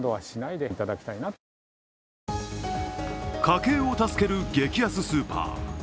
家計を助ける激安スーパー。